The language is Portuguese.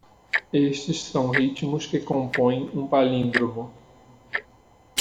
Estes são ritmos que compõem um palíndromo.